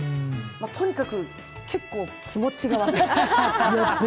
とにかく結構気持ちが悪い。